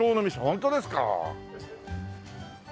本当ですか？